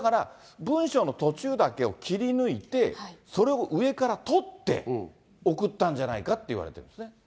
だから、文章の途中だけを切り抜いて、それを上から撮って、送ったんじゃないかっていわれてるんですね。